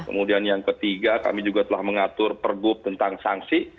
kemudian yang ketiga kami juga telah mengatur pergub tentang sanksi